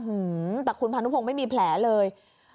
อืมแต่คุณพานุพงศ์ไม่มีแผลเลย